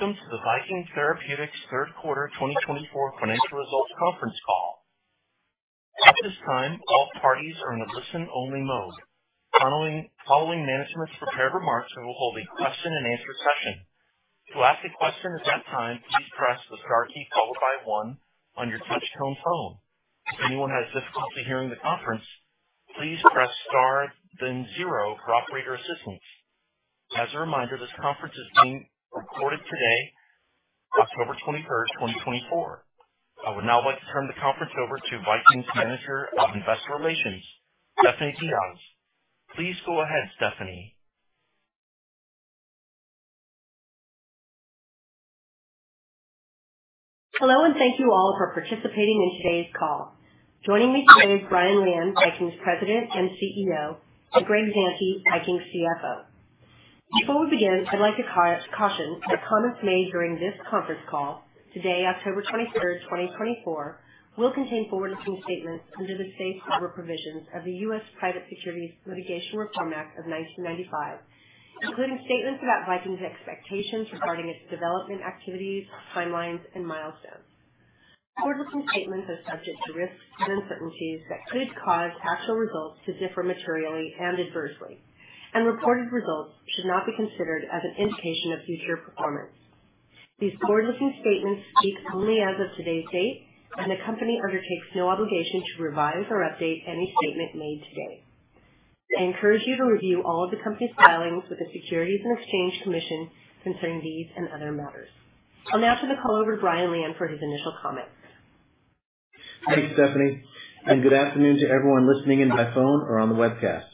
Welcome to the Viking Therapeutics Third Quarter 2024 Financial Results Conference Call. At this time, all parties are in a listen-only mode. Following management's prepared remarks, we will hold a question-and-answer session. To ask a question at that time, please press the star key followed by one on your touchtone phone. If anyone has difficulty hearing the conference, please press star then zero for operator assistance. As a reminder, this conference is being recorded today, October twenty-first, twenty-twenty-four. I would now like to turn the conference over to Viking's Manager of Investor Relations, Stephanie Diaz. Please go ahead, Stephanie. Hello, and thank you all for participating in today's call. Joining me today is Brian Lian, Viking's President and CEO, and Greg Zante, Viking's CFO. Before we begin, I'd like to caution that comments made during this conference call, today, October twenty-third, twenty-twenty-four, will contain forward-looking statements under the safe harbor provisions of the U.S. Private Securities Litigation Reform Act of nineteen ninety-five, including statements about Viking's expectations regarding its development activities, timelines and milestones. Forward-looking statements are subject to risks and uncertainties that could cause actual results to differ materially and adversely, and reported results should not be considered as an indication of future performance. These forward-looking statements speak only as of today's date, and the company undertakes no obligation to revise or update any statement made today. I encourage you to review all of the company's filings with the Securities and Exchange Commission concerning these and other matters. I'll now turn the call over to Brian Lian for his initial comments. Thanks, Stephanie, and good afternoon to everyone listening in by phone or on the webcast.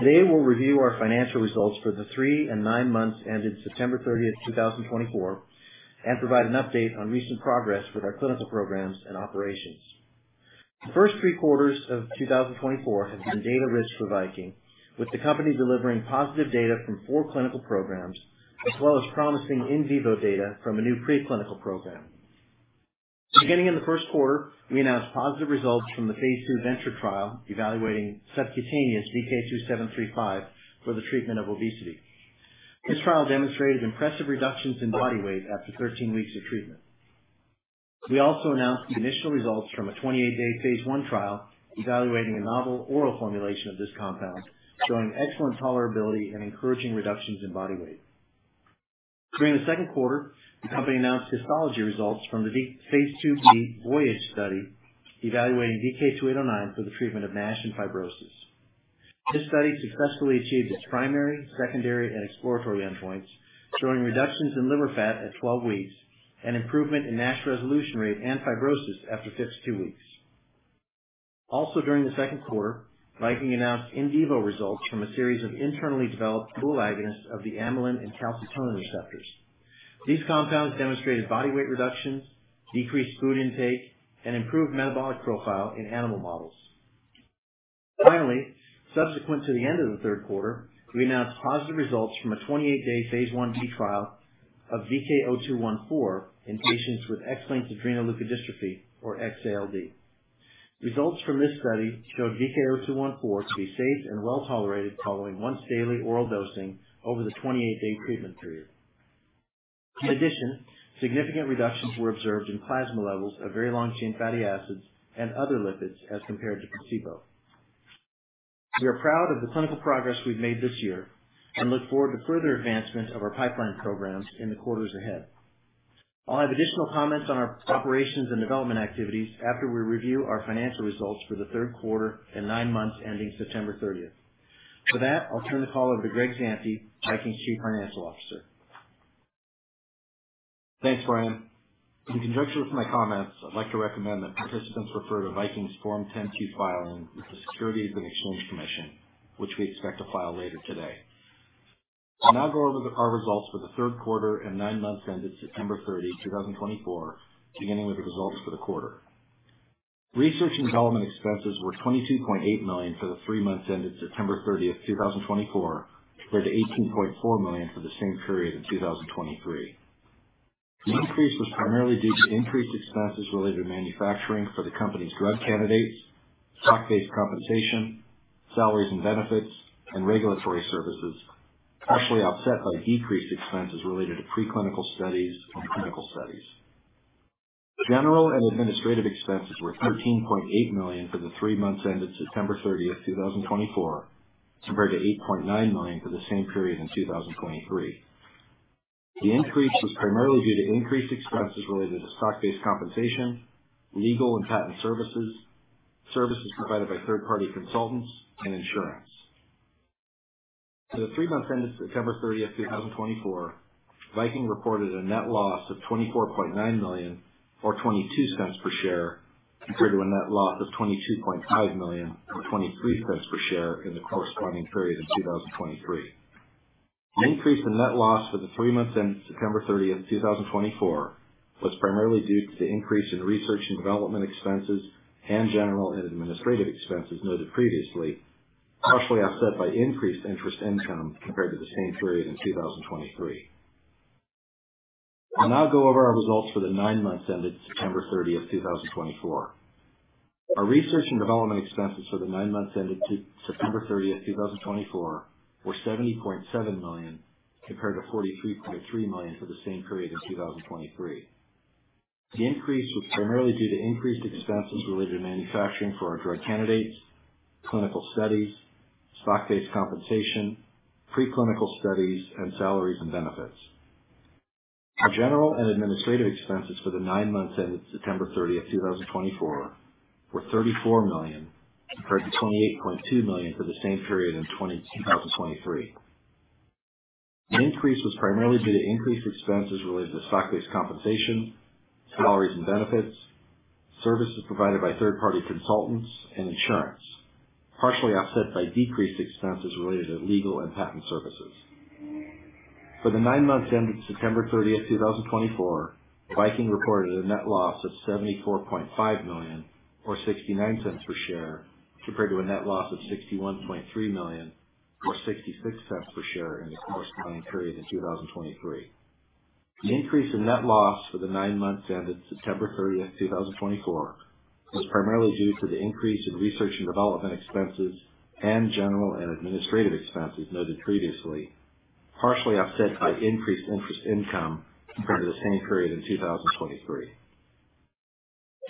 Today, we'll review our financial results for the three and nine months ended September 30, 2024, and provide an update on recent progress with our clinical programs and operations. The first three quarters of 2024 have been data-rich for Viking, with the company delivering positive data from four clinical programs, as well as promising in vivo data from a new preclinical program. Beginning in the first quarter, we announced positive results from the phase II VENTURE trial evaluating subcutaneous VK2735 for the treatment of obesity. This trial demonstrated impressive reductions in body weight after 13 weeks of treatment. We also announced the initial results from a 28-day phase 1 trial evaluating a novel oral formulation of this compound, showing excellent tolerability and encouraging reductions in body weight. During the second quarter, the company announced histology results from the VOYAGE phase 2b study, evaluating VK2809 for the treatment of NASH and fibrosis. This study successfully achieved its primary, secondary, and exploratory endpoints, showing reductions in liver fat at 12 weeks and improvement in NASH resolution rate and fibrosis after 52 weeks. Also, during the second quarter, Viking announced in vivo results from a series of internally developed dual agonists of the amylin and calcitonin receptors. These compounds demonstrated body weight reductions, decreased food intake, and improved metabolic profile in animal models. Finally, subsequent to the end of the third quarter, we announced positive results from a twenty-eight-day phase 1b trial of VK0214 in patients with X-linked adrenoleukodystrophy, or XALD. Results from this study showed VK0214 to be safe and well tolerated following once-daily oral dosing over the twenty-eight-day treatment period. In addition, significant reductions were observed in plasma levels of very long-chain fatty acids and other lipids as compared to placebo. We are proud of the clinical progress we've made this year and look forward to further advancement of our pipeline programs in the quarters ahead. I'll have additional comments on our operations and development activities after we review our financial results for the third quarter and nine months ending September thirtieth. For that, I'll turn the call over to Greg Zante, Viking's Chief Financial Officer. Thanks, Brian. In conjunction with my comments, I'd like to recommend that participants refer to Viking's Form 10-K filing with the Securities and Exchange Commission, which we expect to file later today. I'll now go over our results for the third quarter and nine months ended September thirtieth, two thousand and twenty-four, beginning with the results for the quarter. Research and development expenses were $22.8 million for the three months ended September thirtieth, two thousand twenty-four, compared to $18.4 million for the same period in two thousand twenty-three. The increase was primarily due to increased expenses related to manufacturing for the company's drug candidates, stock-based compensation, salaries and benefits, and regulatory services, partially offset by decreased expenses related to preclinical studies and clinical studies. General and administrative expenses were $13.8 million for the three months ended September thirtieth, twenty twenty-four, compared to $8.9 million for the same period in 2023. The increase was primarily due to increased expenses related to stock-based compensation, legal and patent services, services provided by third-party consultants, and insurance. For the three months ended September thirtieth, twenty twenty-four, Viking reported a net loss of $24.9 million or $0.22 per share, compared to a net loss of $22.5 million or $0.23 per share in the corresponding period in 2023. twenty-three.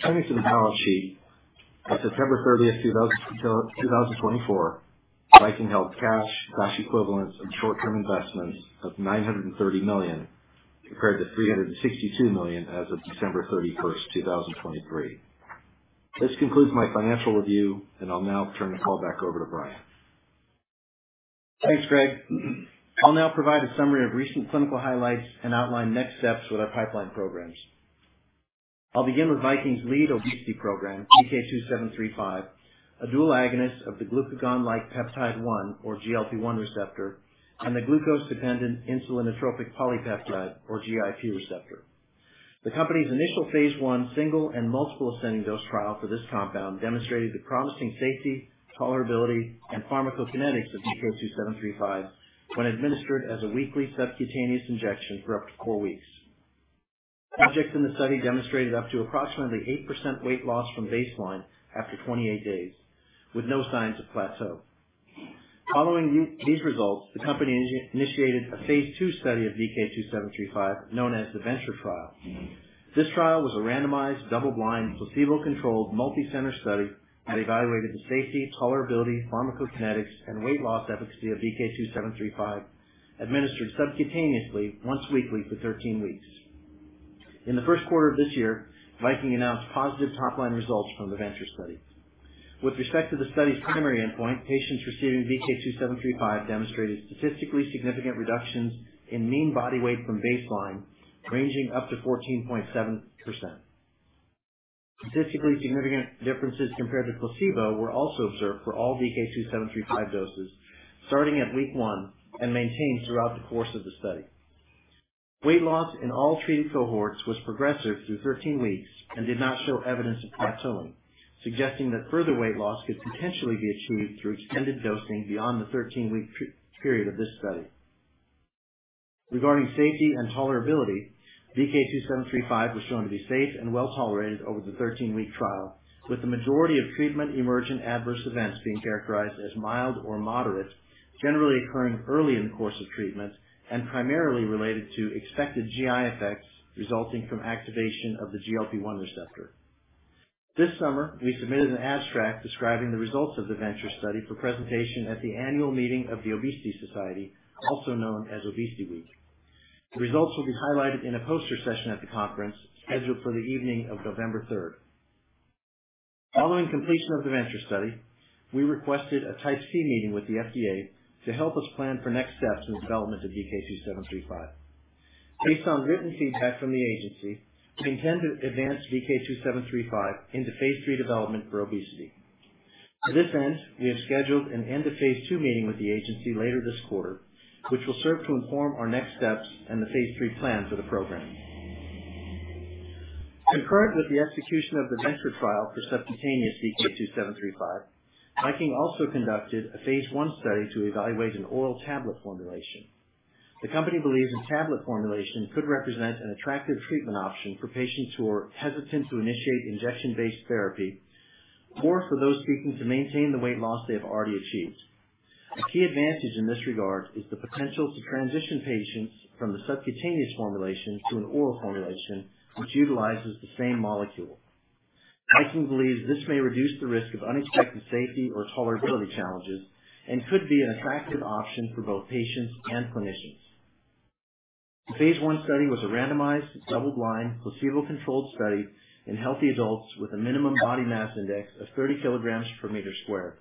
Turning to the balance sheet, as of September thirtieth, two thousand and twenty-four, Viking held cash, cash equivalents and short-term investments of $930 million, compared to $362 million as of December thirty-first, two thousand twenty-three. This concludes my financial review, and I'll now turn the call back over to Brian. Thanks, Greg. I'll now provide a summary of recent clinical highlights and outline next steps with our pipeline programs. I'll begin with Viking's lead obesity program, VK2735, a dual agonist of the glucagon-like peptide-1, or GLP-1 receptor, and the glucose-dependent insulinotropic polypeptide, or GIP receptor. The company's initial phase I single and multiple ascending dose trial for this compound demonstrated the promising safety, tolerability, and pharmacokinetics of VK2735 when administered as a weekly subcutaneous injection for up to four weeks. Subjects in the study demonstrated up to approximately 8% weight loss from baseline after 28 days, with no signs of plateau. Following these results, the company initiated a phase II study of VK2735, known as the VENTURE trial. This trial was a randomized, double-blind, placebo-controlled, multicenter study that evaluated the safety, tolerability, pharmacokinetics, and weight loss efficacy of VK2735, administered subcutaneously once weekly for 13 weeks. In the first quarter of this year, Viking announced positive top-line results from the VENTURE study. With respect to the study's primary endpoint, patients receiving VK2735 demonstrated statistically significant reductions in mean body weight from baseline, ranging up to 14.7%. Statistically significant differences compared to placebo were also observed for all VK2735 doses, starting at week one and maintained throughout the course of the study. Weight loss in all treated cohorts was progressive through 13 weeks and did not show evidence of plateauing, suggesting that further weight loss could potentially be achieved through extended dosing beyond the 13-week per-period of this study. Regarding safety and tolerability, VK2735 was shown to be safe and well tolerated over the thirteen-week trial, with the majority of treatment emergent adverse events being characterized as mild or moderate, generally occurring early in the course of treatment and primarily related to expected GI effects resulting from activation of the GLP-1 receptor. This summer, we submitted an abstract describing the results of the VENTURE study for presentation at the annual meeting of the Obesity Society, also known as Obesity Week. The results will be highlighted in a poster session at the conference, scheduled for the evening of November third. Following completion of the VENTURE study, we requested a Type C meeting with the FDA to help us plan for next steps in the development of VK2735. Based on written feedback from the agency, we intend to advance VK2735 into phase III development for obesity. To this end, we have scheduled an end of phase 2 meeting with the agency later this quarter, which will serve to inform our next steps and the phase 3 plan for the program. Concurrent with the execution of the VENTURE trial for subcutaneous VK2735, Viking also conducted a phase 1 study to evaluate an oral tablet formulation. The company believes a tablet formulation could represent an attractive treatment option for patients who are hesitant to initiate injection-based therapy or for those seeking to maintain the weight loss they have already achieved. A key advantage in this regard is the potential to transition patients from the subcutaneous formulation to an oral formulation, which utilizes the same molecule. Viking believes this may reduce the risk of unexpected safety or tolerability challenges and could be an attractive option for both patients and clinicians. The phase I study was a randomized, double-blind, placebo-controlled study in healthy adults with a minimum body mass index of thirty kilograms per meter squared.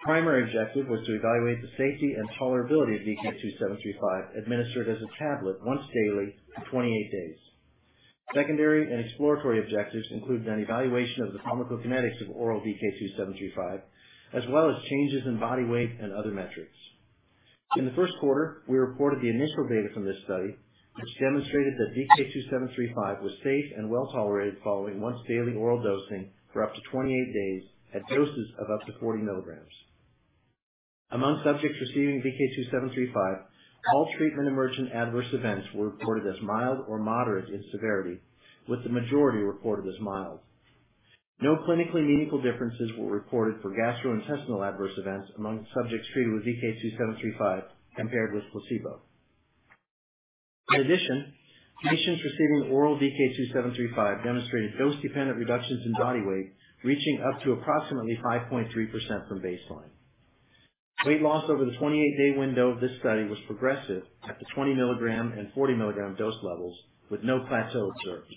The primary objective was to evaluate the safety and tolerability of VK2735, administered as a tablet once daily for twenty-eight days. Secondary and exploratory objectives included an evaluation of the pharmacokinetics of oral VK2735, as well as changes in body weight and other metrics. In the first quarter, we reported the initial data from this study, which demonstrated that VK2735 was safe and well tolerated following once daily oral dosing for up to twenty-eight days at doses of up to forty milligrams. Among subjects receiving VK2735, all treatment emergent adverse events were reported as mild or moderate in severity, with the majority reported as mild. No clinically meaningful differences were reported for gastrointestinal adverse events among subjects treated with VK2735 compared with placebo. In addition, patients receiving oral VK2735 demonstrated dose-dependent reductions in body weight, reaching up to approximately 5.3% from baseline. Weight loss over the 28-day window of this study was progressive at the 20 milligram and 40 milligram dose levels, with no plateau observed.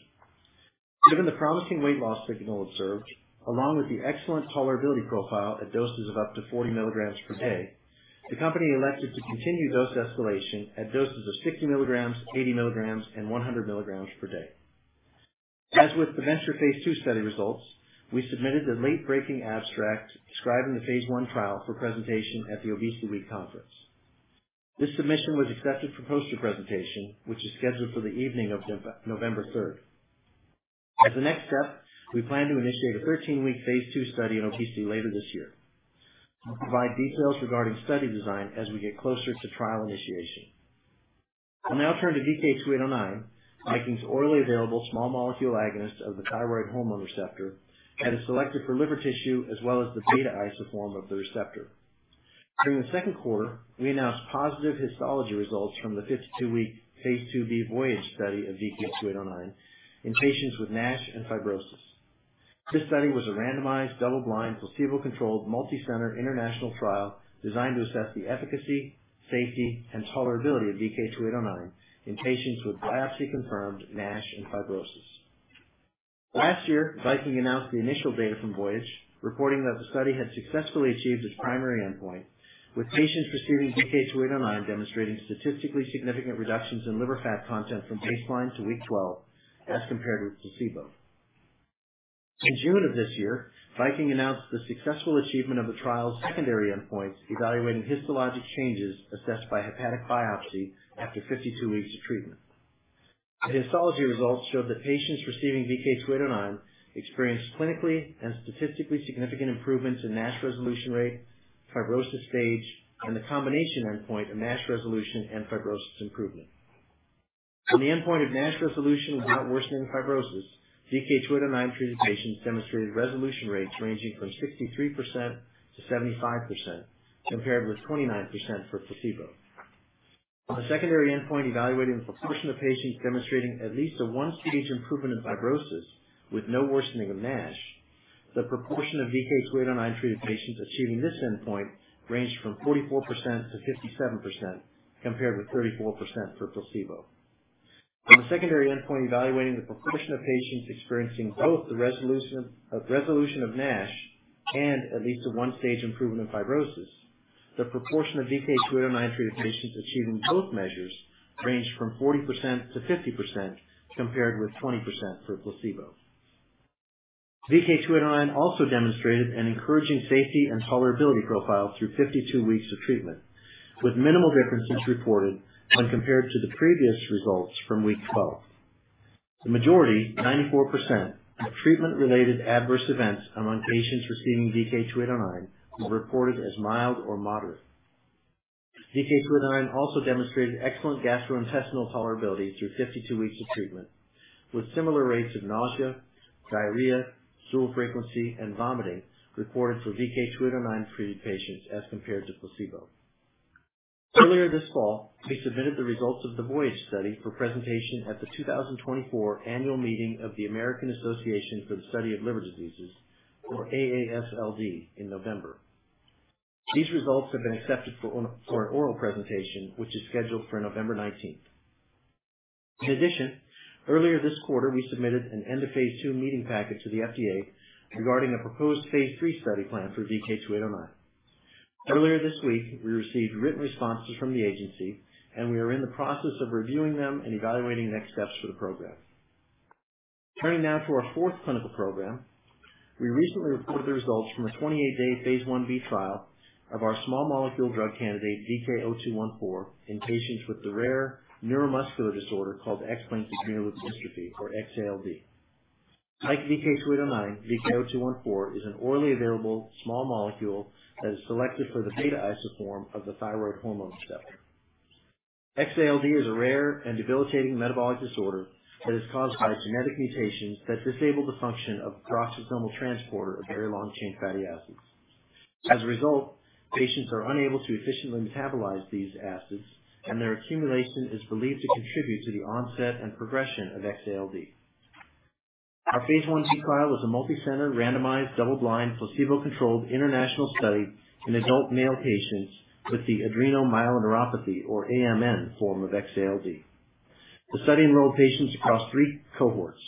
Given the promising weight loss signal observed, along with the excellent tolerability profile at doses of up to 40 milligrams per day, the company elected to continue dose escalation at doses of 60 milligrams, 80 milligrams, and 100 milligrams per day. As with the VENTURE phase 2 study results, we submitted the late-breaking abstract describing the phase 1 trial for presentation at the Obesity Week Conference. This submission was accepted for poster presentation, which is scheduled for the evening of November third. As the next step, we plan to initiate a 13-week phase 2 study in obesity later this year. We'll provide details regarding study design as we get closer to trial initiation. I'll now turn to VK2809, Viking's orally available small molecule agonist of the thyroid hormone receptor that is selected for liver tissue, as well as the beta isoform of the receptor. During the second quarter, we announced positive histology results from the 52-week phase II b VOYAGE study of VK2809 in patients with NASH and fibrosis. This study was a randomized, double-blind, placebo-controlled, multicenter international trial designed to assess the efficacy, safety, and tolerability of VK2809 in patients with biopsy-confirmed NASH and fibrosis. Last year, Viking announced the initial data from VOYAGE, reporting that the study had successfully achieved its primary endpoint, with patients receiving VK2809 demonstrating statistically significant reductions in liver fat content from baseline to week 12 as compared with placebo. In June of this year, Viking announced the successful achievement of the trial's secondary endpoints, evaluating histologic changes assessed by hepatic biopsy after 52 weeks of treatment. The histology results showed that patients receiving VK2809 experienced clinically and statistically significant improvements in NASH resolution rate, fibrosis stage, and the combination endpoint of NASH resolution and fibrosis improvement. On the endpoint of NASH resolution without worsening fibrosis, VK2809 treated patients demonstrated resolution rates ranging from 63% to 75%, compared with 29% for placebo. On the secondary endpoint, evaluating the proportion of patients demonstrating at least a one-stage improvement in fibrosis with no worsening of NASH, the proportion of VK2809 treated patients achieving this endpoint ranged from 44% to 57%, compared with 34% for placebo. On the secondary endpoint, evaluating the proportion of patients experiencing both the resolution of NASH and at least a one-stage improvement in fibrosis, the proportion of VK2809 treated patients achieving both measures ranged from 40% to 50%, compared with 20% for placebo. VK2809 also demonstrated an encouraging safety and tolerability profile through 52 weeks of treatment, with minimal differences reported when compared to the previous results from week 12. The majority, 94%, of treatment-related adverse events among patients receiving VK2809 were reported as mild or moderate. VK2809 also demonstrated excellent gastrointestinal tolerability through 52 weeks of treatment, with similar rates of nausea, diarrhea, stool frequency, and vomiting reported for VK2809 treated patients as compared to placebo. Earlier this fall, we submitted the results of the VOYAGE study for presentation at the 2024 Annual Meeting of the American Association for the Study of Liver Diseases, or AASLD, in November. These results have been accepted for an oral presentation, which is scheduled for November 19th. In addition, earlier this quarter, we submitted an end-of-phase 2 meeting package to the FDA regarding a proposed phase 3 study plan for VK2809. Earlier this week, we received written responses from the agency, and we are in the process of reviewing them and evaluating next steps for the program. Turning now to our fourth clinical program, we recently reported the results from a 28-day phase 1b trial of our small molecule drug candidate, VK0214, in patients with the rare neuromuscular disorder called X-linked adrenoleukodystrophy, or XALD. Like VK2809, VK0214 is an orally available small molecule that is selected for the beta isoform of the thyroid hormone receptor. XALD is a rare and debilitating metabolic disorder that is caused by genetic mutations that disable the function of peroxisomal transporter of very long-chain fatty acids. As a result, patients are unable to efficiently metabolize these acids, and their accumulation is believed to contribute to the onset and progression of XALD. Our phase I b trial was a multicenter, randomized, double-blind, placebo-controlled international study in adult male patients with the adrenomyeloneuropathy, or AMN, form of XALD. The study enrolled patients across three cohorts: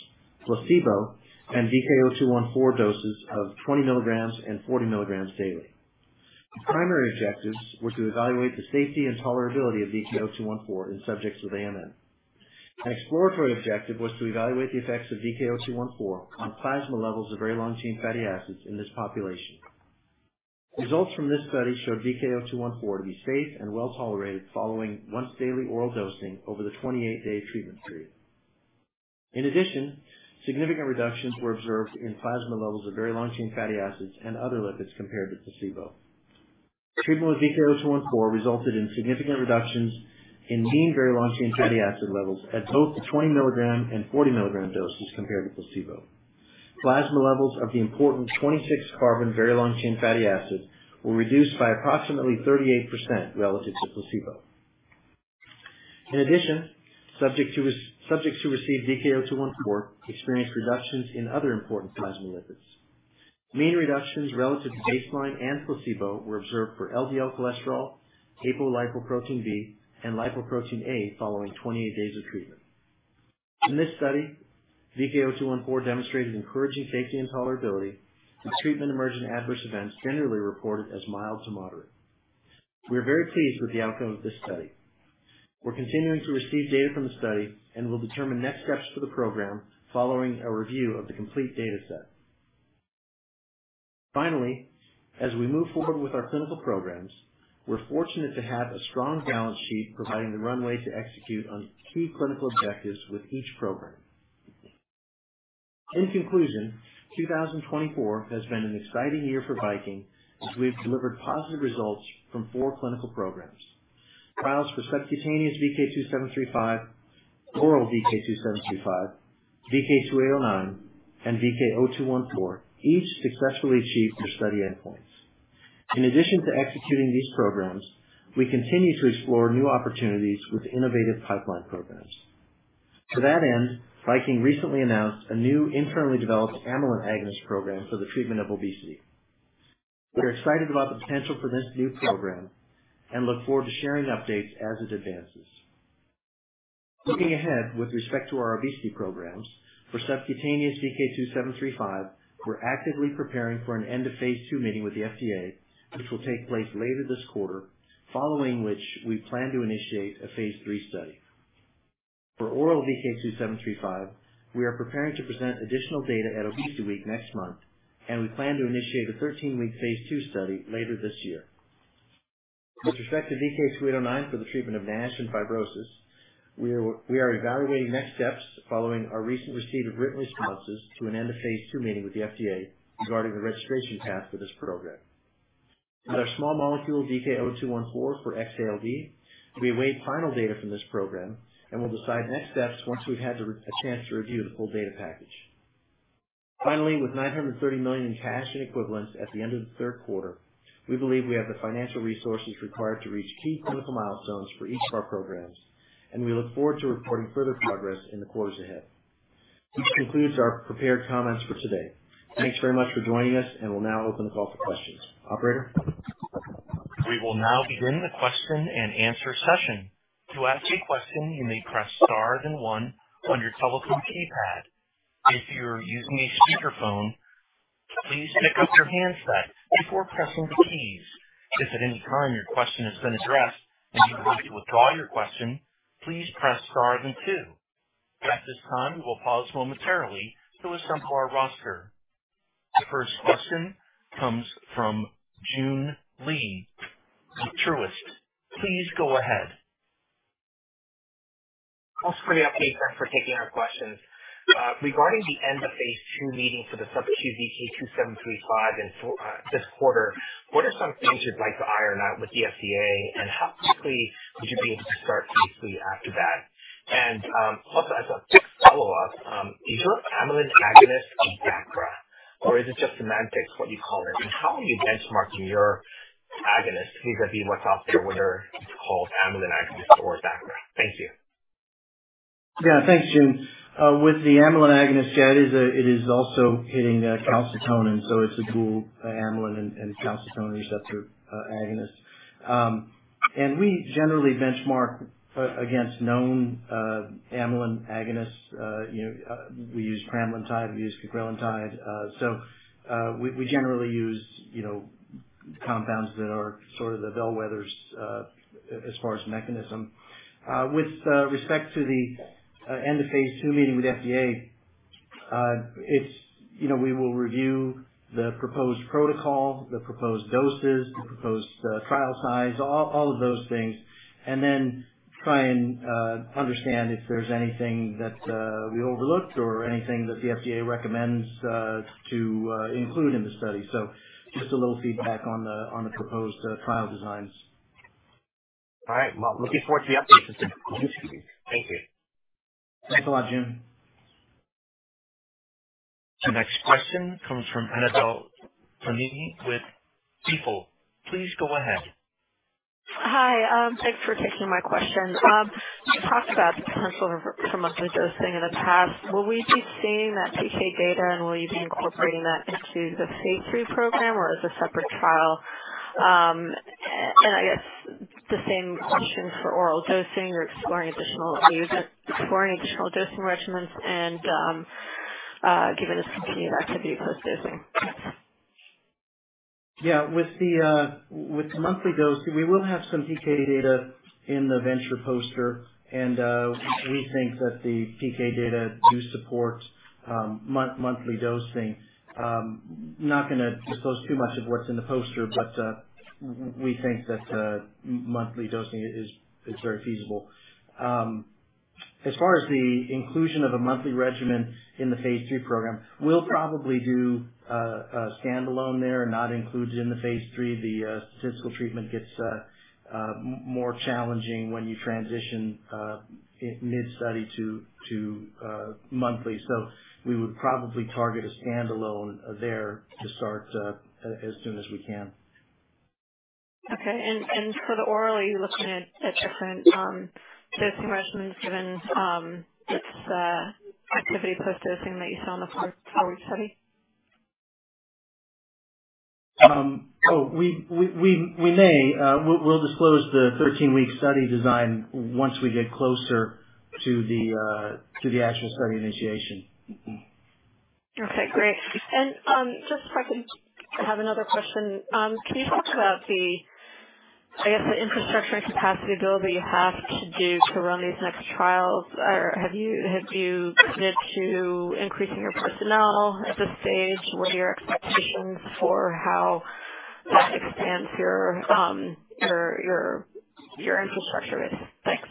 placebo and VK0214 doses of 20 milligrams and 40 milligrams daily. The primary objectives were to evaluate the safety and tolerability of VK0214 in subjects with AMN. An exploratory objective was to evaluate the effects of VK0214 on plasma levels of very long-chain fatty acids in this population. Results from this study showed VK0214 to be safe and well-tolerated following once-daily oral dosing over the 28-day treatment period. In addition, significant reductions were observed in plasma levels of very long-chain fatty acids and other lipids compared with placebo. Treatment with VK0214 resulted in significant reductions in mean very long-chain fatty acid levels at both the 20 milligram and 40 milligram doses compared to placebo. Plasma levels of the important 26-carbon very long-chain fatty acid were reduced by approximately 38% relative to placebo. In addition, subjects who received VK0214 experienced reductions in other important plasma lipids. Mean reductions relative to baseline and placebo were observed for LDL cholesterol, apolipoprotein B, and lipoprotein(a) following 28 days of treatment. In this study, VK0214 demonstrated encouraging safety and tolerability, with treatment-emergent adverse events generally reported as mild to moderate. We are very pleased with the outcome of this study. We're continuing to receive data from the study and will determine next steps for the program following a review of the complete data set. Finally, as we move forward with our clinical programs, we're fortunate to have a strong balance sheet providing the runway to execute on key clinical objectives with each program. In conclusion, 2024 has been an exciting year for Viking, as we've delivered positive results from four clinical programs. Trials for subcutaneous VK2735, oral VK2735, VK2809, and VK0214 each successfully achieved their study endpoints. In addition to executing these programs, we continue to explore new opportunities with innovative pipeline programs. To that end, Viking recently announced a new internally developed amylin agonist program for the treatment of obesity. We are excited about the potential for this new program and look forward to sharing updates as it advances. Looking ahead with respect to our obesity programs, for subcutaneous VK2735, we're actively preparing for an end of phase two meeting with the FDA, which will take place later this quarter, following which we plan to initiate a phase three study. For oral VK2735, we are preparing to present additional data at Obesity Week next month, and we plan to initiate a thirteen-week phase two study later this year. With respect to VK2809 for the treatment of NASH and fibrosis, we are evaluating next steps following our recent receipt of written responses to an end of phase two meeting with the FDA regarding the registration path for this program. With our small molecule, VK0214, for XALD, we await final data from this program and will decide next steps once we've had a chance to review the full data package. Finally, with $930 million in cash and equivalents at the end of the third quarter, we believe we have the financial resources required to reach key clinical milestones for each of our programs, and we look forward to reporting further progress in the quarters ahead. This concludes our prepared comments for today. Thanks very much for joining us, and we'll now open the call for questions. Operator? We will now begin the question and answer session. To ask a question, you may press star then one on your telephone keypad. If you're using a speakerphone, please pick up your handset before pressing the keys. If at any time your question has been addressed, and you would like to withdraw your question, please press star then two. At this time, we will pause momentarily to assemble our roster. The first question comes from Joon Lee with Truist. Please go ahead. Thanks for the update, and for taking our questions. Regarding the end of phase two meeting for the subcu VK2735 in Q4 this quarter, what are some things you'd like to iron out with the FDA, and how quickly would you be able to start phase three after that? And, also as a follow-up, is your amylin agonist a DACRA, or is it just semantics, what you call it? And how are you benchmarking your agonist vis-a-vis what's out there, whether it's called amylin agonist or DACRA? Thank you. Yeah. Thanks, Joon. With the amylin agonist, yeah, it is also hitting calcitonin, so it's a dual amylin and calcitonin receptor agonist. And we generally benchmark against known amylin agonists. You know, we use pramlintide, we use cagrilintide. So we generally use you know compounds that are sort of the bellwethers as far as mechanism. With respect to the end-of-phase II meeting with FDA, it's you know we will review the proposed protocol, the proposed doses, the proposed trial size, all of those things, and then try and understand if there's anything that we overlooked or anything that the FDA recommends to include in the study. So just a little feedback on the proposed trial designs. All right. Well, looking forward to the updates. Thank you. Thanks a lot, Joon. The next question comes from Annabel Samimy with Stifel. Please go ahead. Hi, thanks for taking my question. You talked about the potential for monthly dosing in the past. Will we be seeing that PK data, and will you be incorporating that into the phase three program, or as a separate trial? I guess the same question for oral dosing. You're exploring additional uses, exploring additional dosing regimens and, given its continued activity across dosing. Yeah, with the monthly dosing, we will have some PK data in the VENTURE poster, and we think that the PK data do support monthly dosing. Not gonna disclose too much of what's in the poster, but we think that monthly dosing is very feasible. As far as the inclusion of a monthly regimen in the phase III program, we'll probably do a standalone there, and not include it in the phase III. The statistical treatment gets more challenging when you transition mid-study to monthly. So we would probably target a standalone there to start as soon as we can. Okay. And for the oral, are you looking at different dosing regimens, given its activity plus dosing that you saw in the first four-week study? Oh, we may. We'll disclose the thirteen-week study design once we get closer to the actual study initiation. Okay, great. And just if I could have another question. Can you talk about the, I guess, the infrastructure and capacity build that you have to do to run these next trials? Or have you committed to increasing your personnel at this stage? What are your expectations for how that expands your infrastructure base? Thanks.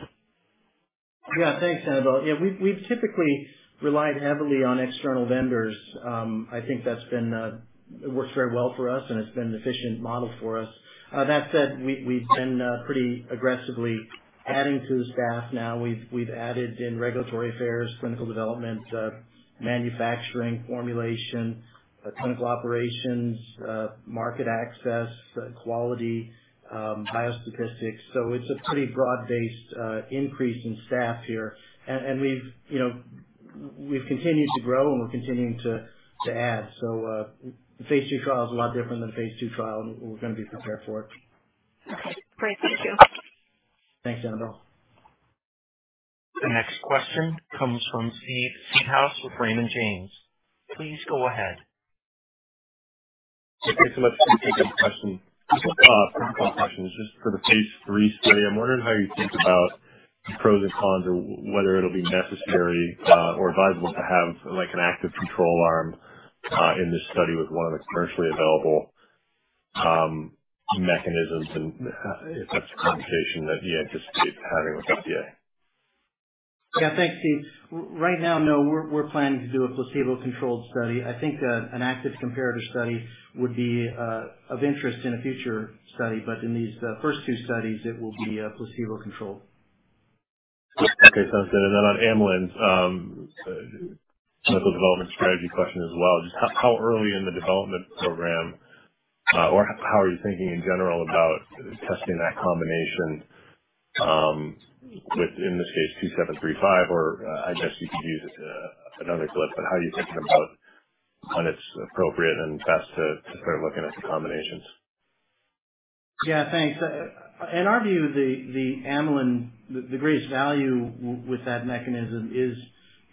Yeah, thanks, Annabel. Yeah, we've typically relied heavily on external vendors. I think that's been. It works very well for us, and it's been an efficient model for us. That said, we've been pretty aggressively adding to the staff now. We've added in regulatory affairs, clinical development, manufacturing, formulation, clinical operations, market access, quality, biostatistics. So it's a pretty broad-based increase in staff here. And we've, you know, we've continued to grow, and we're continuing to add. So, the phase II trial is a lot different than the phase II trial, and we're going to be prepared for it. Okay, great. Thank you. Thanks, Annabelle. The next question comes from Steve Seedhouse with Raymond James. Please go ahead. Okay, thanks for taking the question. Quick question. Just for the phase 3 study, I'm wondering how you think about the pros and cons, or whether it'll be necessary, or advisable to have, like, an active control arm, in this study with one of the commercially available mechanisms, and if that's a conversation that you anticipate having with the FDA? Yeah. Thanks, Steve. Right now, no, we're planning to do a placebo-controlled study. I think an active comparator study would be of interest in a future study, but in these first two studies, it will be placebo-controlled. Okay, sounds good. And then on Amylin, medical development strategy question as well. Just how early in the development program, or how are you thinking in general about testing that combination, with, in this case, two-seven-three-five, or, I guess you could use, another GLP. But how are you thinking about when it's appropriate and best to start looking at the combinations? Yeah, thanks. In our view, the Amylin, the greatest value with that mechanism is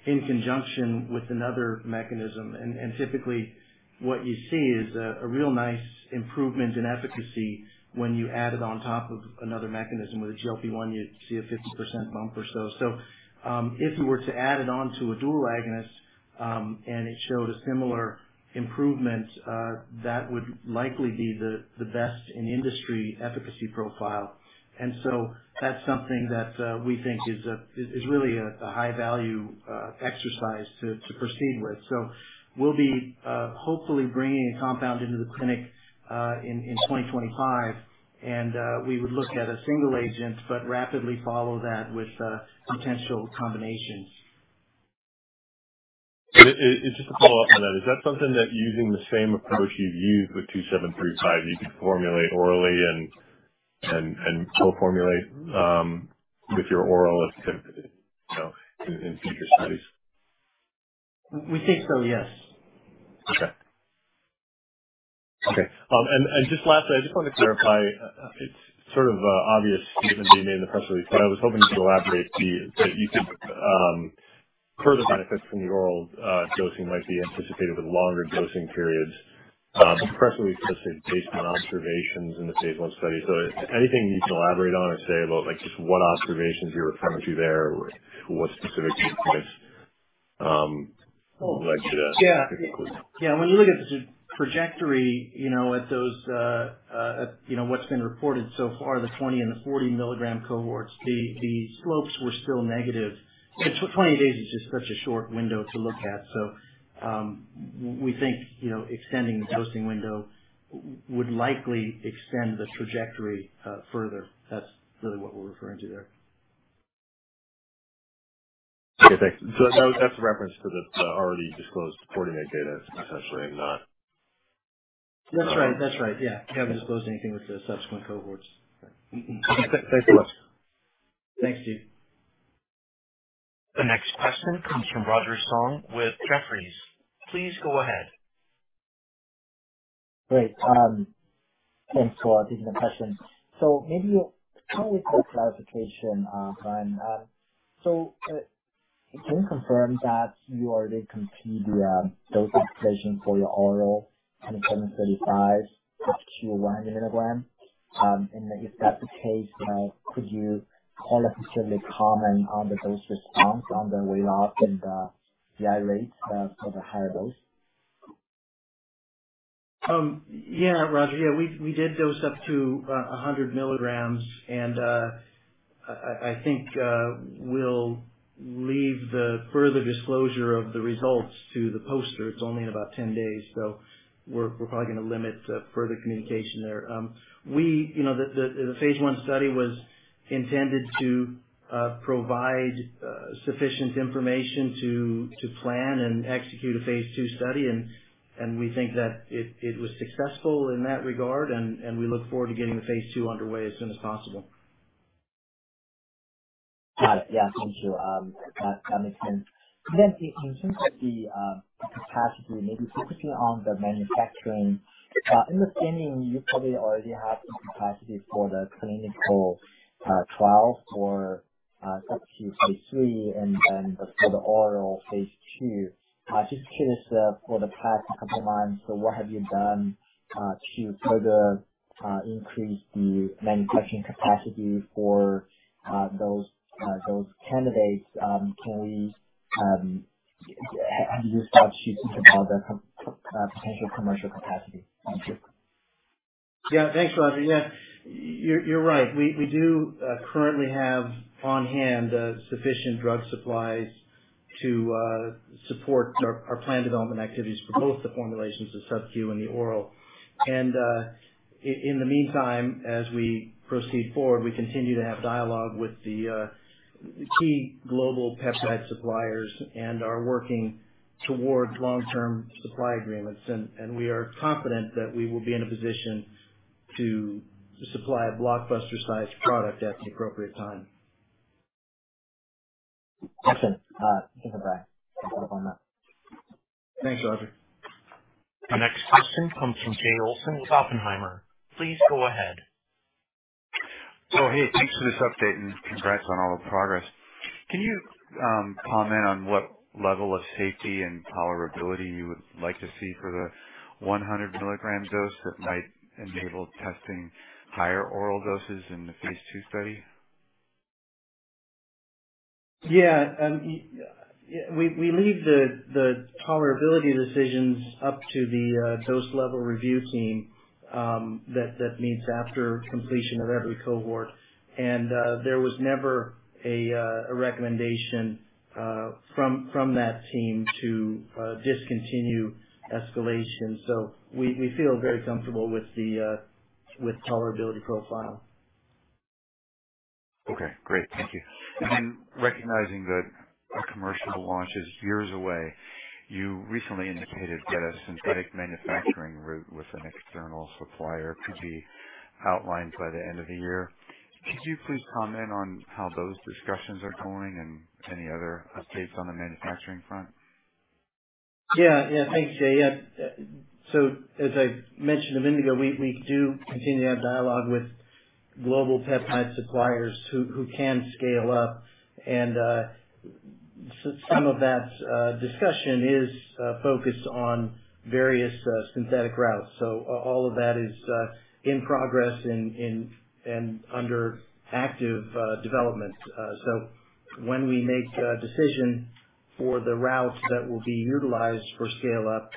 in conjunction with another mechanism. And typically, what you see is a real nice improvement in efficacy when you add it on top of another mechanism. With a GLP-1, you see a 50% bump or so. So, if you were to add it on to a dual agonist, and it showed a similar improvement, that would likely be the best in industry efficacy profile. And so that's something that we think is really a high value exercise to proceed with. So we'll be hopefully bringing a compound into the clinic in twenty twenty-five. And we would look at a single agent, but rapidly follow that with potential combinations. Just to follow up on that, is that something that using the same approach you used with two-seven-three-five, you could formulate orally and co-formulate with your oral as well in future studies? We think so, yes. Okay. Okay, and just lastly, I just want to clarify. It's sort of an obvious statement being made in the press release, but I was hoping you could elaborate. That you think further benefits from the oral dosing might be anticipated with longer dosing periods. The press release just said, "Based on observations in the phase 1 study." So anything you can elaborate on or say about, like, just what observations you were referring to there, or what specific data points led to that? Yeah. Yeah, when you look at the trajectory, you know, at those, you know, what's been reported so far, the 20 and the 40 milligram cohorts, the slopes were still negative. So 20 days is just such a short window to look at. So, we think, you know, extending the dosing window would likely extend the trajectory further. That's really what we're referring to there. Okay, thanks. So that's a reference to the already disclosed forty-day data, essentially, and not- That's right. That's right, yeah. We haven't disclosed anything with the subsequent cohorts. Okay. Thanks so much. Thanks, Steve. The next question comes from Roger Song with Jefferies. Please go ahead. Great, thanks for taking the question. Maybe can we get clarification, Brian, can you confirm that you already completed the dosing decision for your oral VK2735 with 200 milligrams? And if that's the case, could you qualitatively comment on the dose response, on the result, and the GI rates for the higher dose?... Yeah, Roger. Yeah, we did dose up to 100 milligrams, and I think we'll leave the further disclosure of the results to the poster. It's only in about 10 days, so we're probably gonna limit further communication there. We, you know, the phase 1 study was intended to provide sufficient information to plan and execute a phase 2 study. We think that it was successful in that regard, and we look forward to getting the phase 2 underway as soon as possible. Got it. Yeah, thank you. That makes sense. And then in terms of the capacity, maybe specifically on the manufacturing, in the beginning, you probably already have the capacity for the clinical trial for subcu phaseIII and then for the oral phase II. Just curious, for the past couple of months, so what have you done to further increase the manufacturing capacity for those candidates? How do you start to think about the potential commercial capacity? Thank you. Yeah, thanks, Roger. Yeah, you're right. We do currently have on-hand sufficient drug supplies to support our plan development activities for both the formulations, the subcu and the oral. And in the meantime, as we proceed forward, we continue to have dialogue with the key global peptide suppliers and are working towards long-term supply agreements. And we are confident that we will be in a position to supply a blockbuster-sized product at the appropriate time. Gotcha. Think about it. Thanks a lot. Thanks, Roger. The next question comes from Jay Olson with Oppenheimer. Please go ahead. Hey, thanks for this update, and congrats on all the progress. Can you comment on what level of safety and tolerability you would like to see for the 100 milligrams dose that might enable testing higher oral doses in the phase two study? Yeah, we leave the tolerability decisions up to the dose level review team that meets after completion of every cohort, and there was never a recommendation from that team to discontinue escalation, so we feel very comfortable with the tolerability profile. Okay, great. Thank you. And then recognizing that a commercial launch is years away, you recently indicated that a synthetic manufacturing route with an external supplier could be outlined by the end of the year. Could you please comment on how those discussions are going and any other updates on the manufacturing front? Yeah. Yeah. Thanks, Jay. Yeah, so as I mentioned a minute ago, we do continue to have dialogue with global peptide suppliers who can scale up, and some of that discussion is focused on various synthetic routes, so all of that is in progress and under active development, so when we make a decision for the routes that will be utilized for scale-up,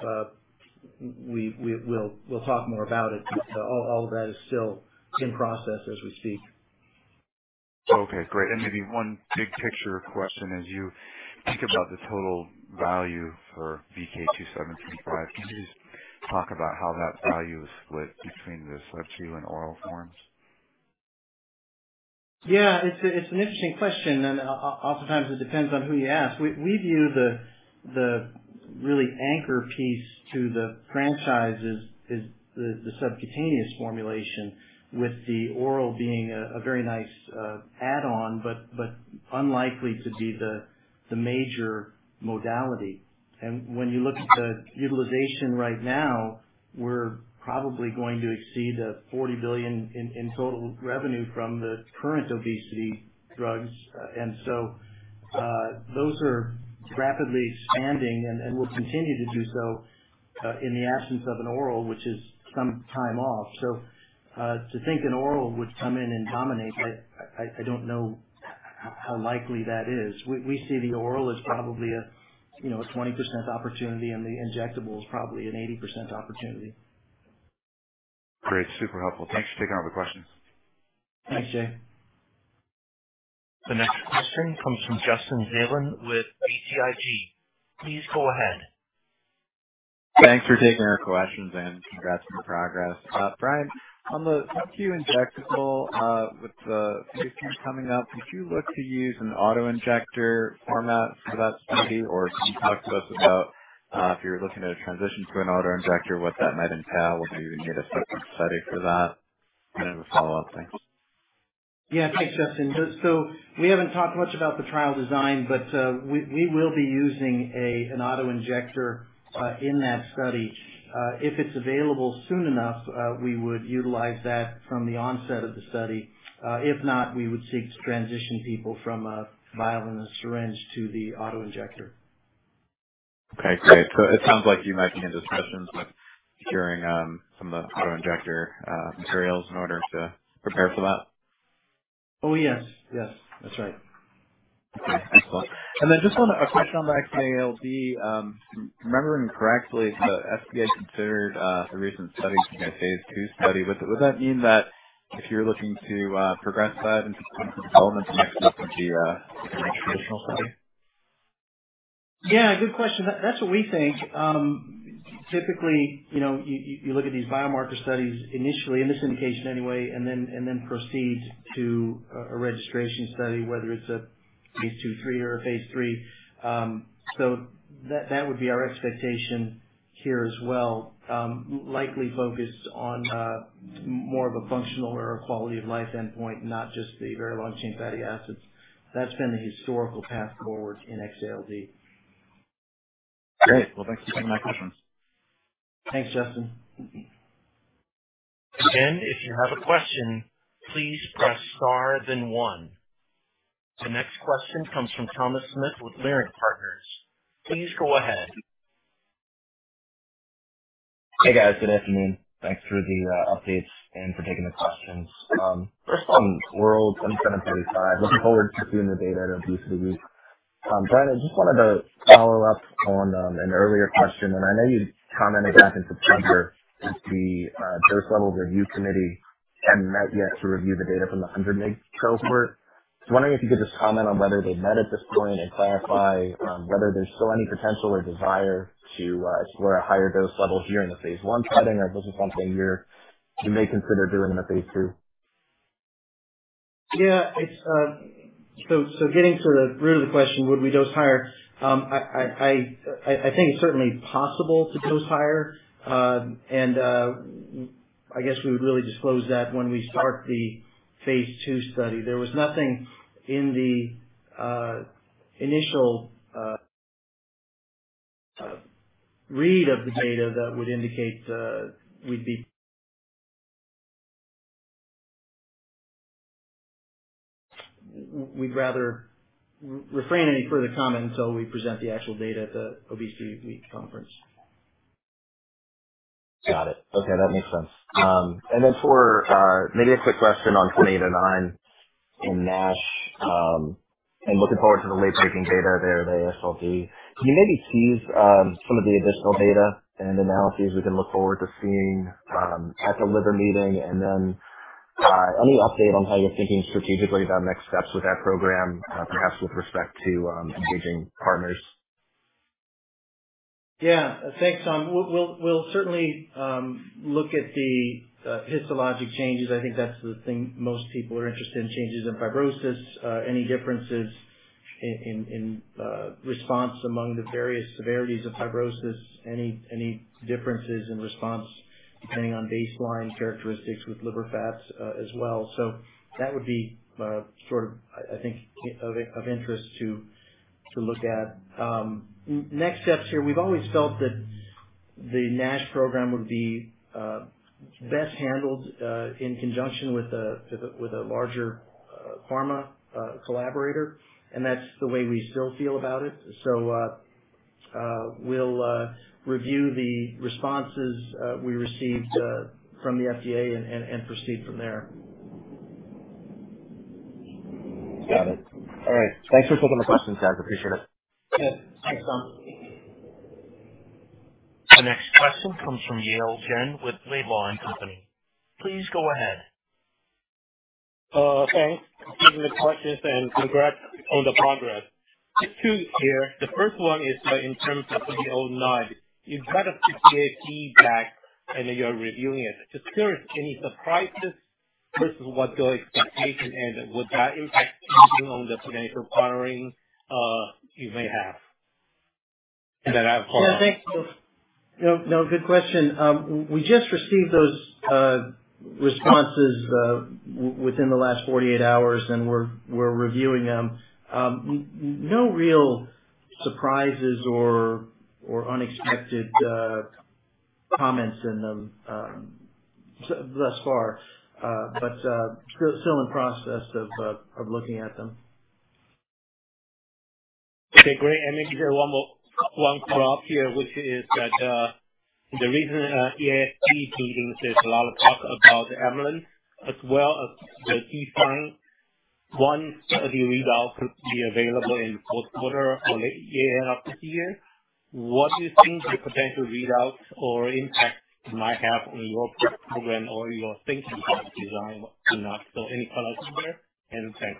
we'll talk more about it, but all of that is still in process as we speak. Okay, great. And maybe one big picture question: As you think about the total value for VK2735, can you just talk about how that value is split between the subcu and oral forms? Yeah, it's an interesting question, and oftentimes it depends on who you ask. We view the really anchor piece to the franchise is the subcutaneous formulation, with the oral being a very nice add-on, but unlikely to be the major modality, and when you look at the utilization right now, we're probably going to exceed $40 billion in total revenue from the current obesity drugs, and so those are rapidly expanding and will continue to do so in the absence of an oral, which is some time off, so to think an oral would come in and dominate that, I don't know how likely that is. We see the oral as probably a, you know, a 20% opportunity, and the injectable is probably an 80% opportunity. Great. Super helpful. Thanks for taking all the questions. Thanks, Jay. The next question comes from Justin Zelin with BTIG. Please go ahead. Thanks for taking our questions and congrats on the progress. Brian, on the subcu injectable, with the phase II coming up, did you look to use an auto-injector format for that study? Or can you talk to us about, if you're looking at a transition to an auto-injector, what that might entail? Would you need a separate study for that? And I have a follow-up. Thanks. Yeah, thanks, Justin. So we haven't talked much about the trial design, but we will be using an auto-injector in that study. If it's available soon enough, we would utilize that from the onset of the study. If not, we would seek to transition people from a vial and a syringe to the auto-injector. Okay, great. So it sounds like you might be in discussions with securing some of the auto-injector materials in order to prepare for that?... Oh, yes. Yes, that's right. Okay, thanks a lot. And then just one, a question on the XALD. If I'm remembering correctly, the FDA considered a recent study, a phase two study. Would that mean that if you're looking to progress that into some development, next step would be a registration study? Yeah, good question. That, that's what we think. Typically, you know, you look at these biomarker studies initially, in this indication anyway, and then proceed to a registration study, whether it's a phase II, III or a phase III. So that would be our expectation here as well. Likely focused on more of a functional or a quality of life endpoint, not just the very long-chain fatty acids. That's been the historical path forward in XALD. Great. Well, thanks for taking my questions. Thanks, Justin. And if you have a question, please press star then one. The next question comes from Thomas Smith with Leerink Partners. Please go ahead. Hey, guys. Good afternoon. Thanks for the updates and for taking the questions. First on VK2735, looking forward to seeing the data at Obesity Week. Brian, I just wanted to follow up on an earlier question, and I know you commented back in September that the dose level review committee hadn't met yet to review the data from the 100 mg cohort. Just wondering if you could just comment on whether they've met at this point, and clarify whether there's still any potential or desire to explore a higher dose level here in the phase one setting, or if this is something you may consider doing in the phase II? Yeah, it's. So getting to the root of the question, would we dose higher? I think it's certainly possible to dose higher. And I guess we would really disclose that when we start the phase two study. There was nothing in the initial read of the data that would indicate we'd rather refrain any further comment until we present the actual data at the Obesity Week Conference. Got it. Okay, that makes sense. And then for, maybe a quick question on twenty eight oh nine and NASH, and looking forward to the late-breaking data there at AASLD. Can you maybe tease, some of the additional data and analyses we can look forward to seeing, at the liver meeting? And then, any update on how you're thinking strategically about next steps with that program, perhaps with respect to, engaging partners? Yeah. Thanks, Tom. We'll certainly look at the histologic changes. I think that's the thing most people are interested in, changes in fibrosis, any differences in response among the various severities of fibrosis, any differences in response depending on baseline characteristics with liver fats, as well. So that would be sort of, I think, of interest to look at. Next steps here, we've always felt that the NASH program would be best handled in conjunction with a larger pharma collaborator, and that's the way we still feel about it. So we'll review the responses we received from the FDA and proceed from there. Got it. All right. Thanks for taking the questions, guys. I appreciate it. Yeah. Thanks, Tom. The next question comes from Yale Jen with Laidlaw & Company. Please go ahead. Thanks for taking the questions, and congrats on the progress. Two here. The first one is, in terms of the VK2809, you've got a PK feedback, and you're reviewing it. Just curious, any surprises versus what your expectation is, and would that impact anything on the financial planning, you may have? And then I have follow on- Yeah, thanks. No, no, good question. We just received those responses within the last forty-eight hours, and we're reviewing them. No real surprises or unexpected comments in them thus far, but still in the process of looking at them. Okay, great. And maybe just one more... One follow-up here, which is that, the recent AASLD meeting, there's a lot of talk about the amylin as well as the DACRA one, study readout could be available in fourth quarter or early next year, end of the year. What do you think the potential readouts or impact might have on your program or your thinking about design and dosing so any thoughts there?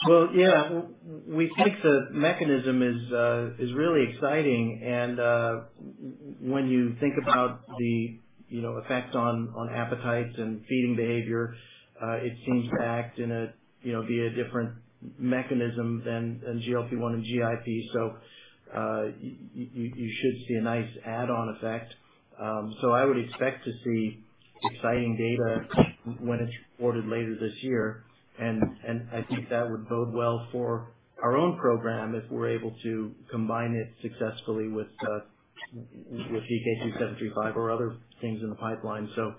And thanks. Well, yeah, we think the mechanism is really exciting. When you think about the, you know, effects on appetite and feeding behavior, it seems to act in a, you know, via a different mechanism than GLP-1 and GIP. So you should see a nice add-on effect. So I would expect to see exciting data when it's reported later this year. And I think that would bode well for our own program, if we're able to combine it successfully with VK2735 or other things in the pipeline. So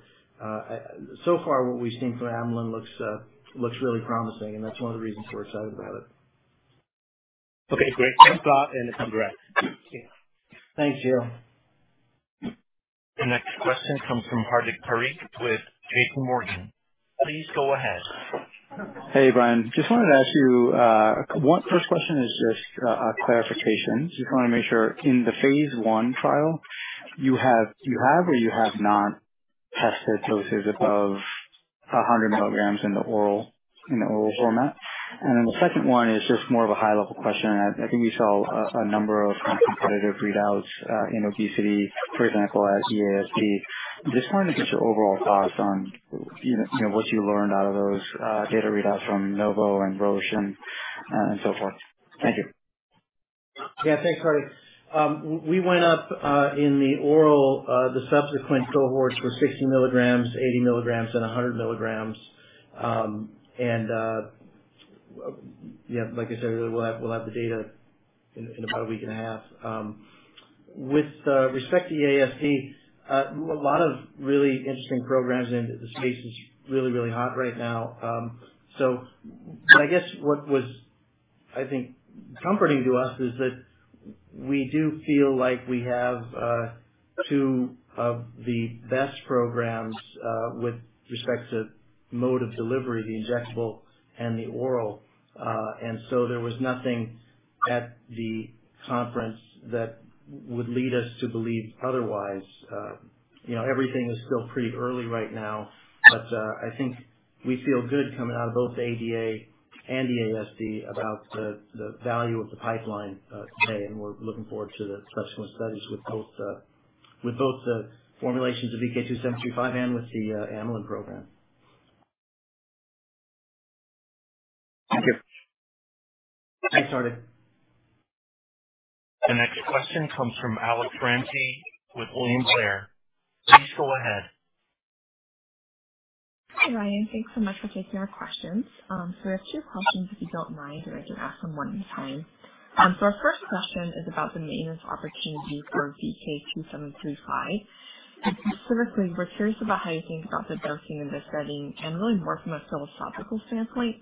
so far what we've seen for Amylin looks really promising, and that's one of the reasons we're excited about it... Okay, great. Thanks a lot, and I'll come back. Thank you. The next question comes from Hardik Parikh with JPMorgan. Please go ahead. Hey, Brian. Just wanted to ask you, one first question is just, a clarification. Just wanna make sure. In the phase one trial, you have or you have not tested doses above a hundred milligrams in the oral format? And then the second one is just more of a high-level question. I think you saw a number of competitive readouts in obesity, for example, at EASD. Just wanted to get your overall thoughts on, you know, what you learned out of those data readouts from Novo and Roche and so forth. Thank you. Yeah, thanks, Hardik. We went up in the oral. The subsequent cohorts were 60 milligrams, 80 milligrams, and 100 milligrams. And yeah, like I said, we'll have the data in about a week and a half. With respect to EASD, a lot of really interesting programs, and the space is really, really hot right now. So I guess what was, I think, comforting to us is that we do feel like we have two of the best programs with respect to mode of delivery, the injectable and the oral. And so there was nothing at the conference that would lead us to believe otherwise. You know, everything is still pretty early right now, but I think we feel good coming out of both the ADA and EASD about the value of the pipeline today, and we're looking forward to the subsequent studies with both the formulations of VK2735 and with the amylin program. Thank you. Thanks, Hardik. The next question comes from Alex Ramsey with William Blair. Please go ahead. Hi, Brian. Thanks so much for taking our questions. So I have two questions, if you don't mind, or I can ask them one at a time. So our first question is about the maintenance opportunity for VK2735. Specifically, we're curious about how you think about the dosing in this setting and really more from a philosophical standpoint.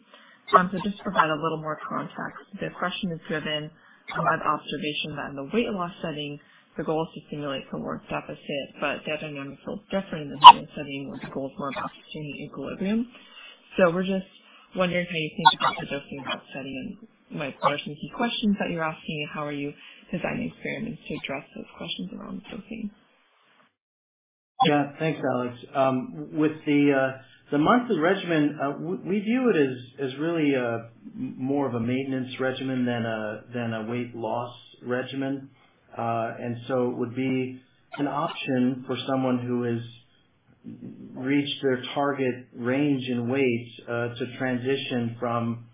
So just to provide a little more context, the question is driven by the observation that in the weight loss setting, the goal is to stimulate caloric deficit, but the other one is so different in the maintenance setting, where the goal is more about staying in equilibrium. So we're just wondering how you think about the dosing in that setting and what are some key questions that you're asking and how are you designing experiments to address those questions around dosing? Yeah. Thanks, Alex. With the monthly regimen, we view it as really more of a maintenance regimen than a weight loss regimen. And so it would be an option for someone who has reached their target range and weight, to transition from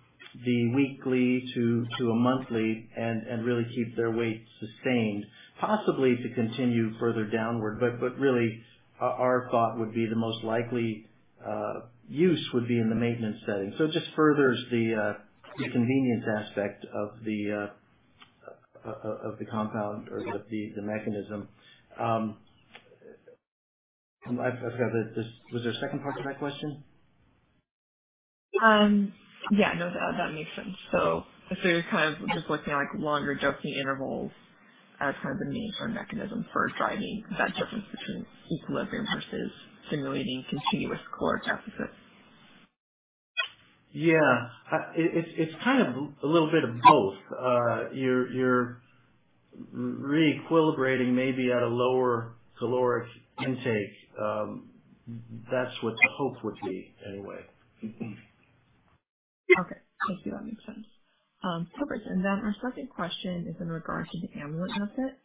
the weekly to a monthly and really keep their weight sustained, possibly to continue further downward. But really our thought would be the most likely use would be in the maintenance setting. So it just furthers the convenience aspect of the compound or the mechanism. I've forgot the... Was there a second part to my question? Yeah, no, that makes sense. So you're kind of just looking at, like, longer dosing intervals as kind of the means or mechanism for driving that difference between equilibrium versus simulating continuous caloric deficit. Yeah. It's kind of a little bit of both. You're re-equilibrating maybe at a lower caloric intake. That's what the hope would be anyway. Mm-hmm. Okay. I see how that makes sense. Perfect. And then our second question is in regards to the amylin asset.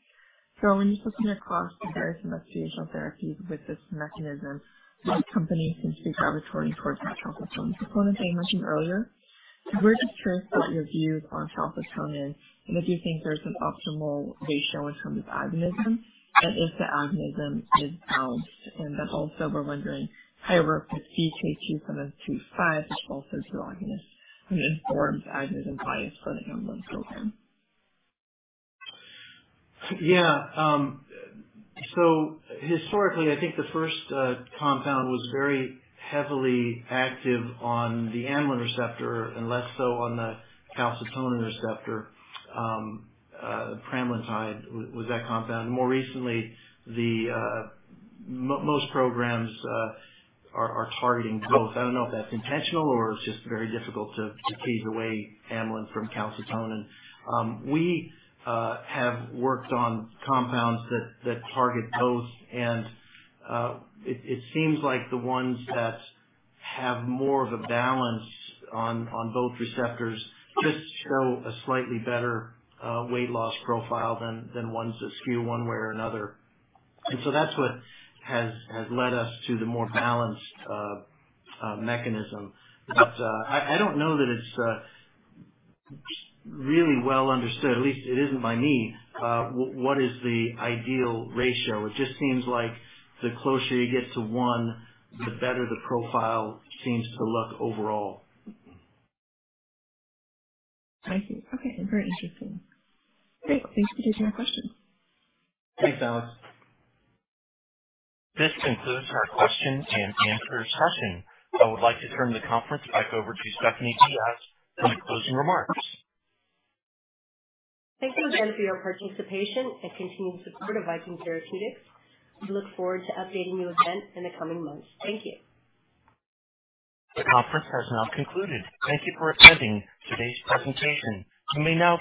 So when you're looking across the various investigational therapies with this mechanism, many companies seem to be gravitating towards that calcitonin component that you mentioned earlier. We're just curious about your views on calcitonin, and if you think there's an optimal ratio in terms of agonism, and if the agonism is balanced. And then also we're wondering how work with VK2735, which also is an agonist, and informs agonism bias for the amylin program. Yeah. So historically, I think the first compound was very heavily active on the amylin receptor and less so on the calcitonin receptor. Pramlintide was that compound. More recently, the most programs are targeting both. I don't know if that's intentional or it's just very difficult to tease away amylin from calcitonin. We have worked on compounds that target both, and it seems like the ones that have more of a balance on both receptors just show a slightly better weight loss profile than ones that skew one way or another. And so that's what has led us to the more balanced mechanism. But I don't know that it's really well understood, at least it isn't by me. What is the ideal ratio? It just seems like the closer you get to one, the better the profile seems to look overall. Thank you. Okay, very interesting. Thanks. Thanks for taking our questions. Thanks, Alex. This concludes our question and answer session. I would like to turn the conference back over to Stephanie Diaz for the closing remarks. Thank you again for your participation and continued support of Viking Therapeutics. We look forward to updating you again in the coming months. Thank you. The conference has now concluded. Thank you for attending today's presentation. You may now disconnect.